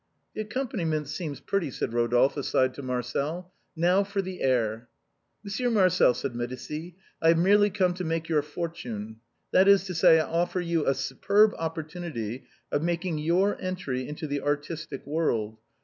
" The accompaniment seems pretty," said Eodolphe aside to Marcel ;" now for the air !"" Monsieur Marcel," said Medicis, " I have merely come to make your fortime; that is to say, I offer you a superb opportunity of making your entry into the artistic world.